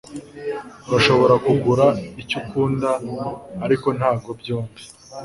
Urashobora kugura icyo ukunda ariko ntabwo byombi